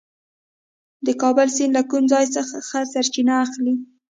د کابل سیند له کوم ځای څخه سرچینه اخلي؟